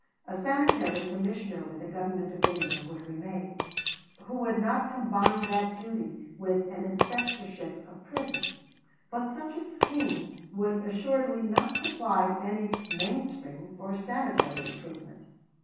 A "Sanitary Commissioner with the Government of India" would remain, who would not combine that duty with an inspectorship of prisons; but such a scheme would assuredly not supply any "mainspring" for sanitary improvement.